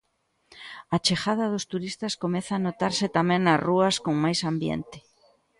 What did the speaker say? A chegada dos turistas comeza a notarse tamén nas rúas con máis ambiente.